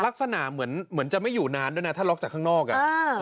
ลักษณะเหมือนเหมือนจะไม่อยู่นานด้วยนะถ้าล็อกจากข้างนอกอ่ะ